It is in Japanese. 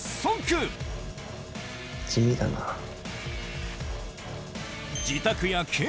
地味だなー。